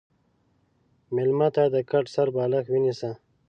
مېلمه ته د کټ سره بالښت ونیسه.